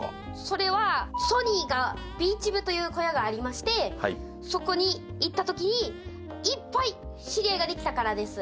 それはソニーが「ＢｅａｃｈＶ」という小屋がありましてそこに行った時にいっぱい知り合いができたからです。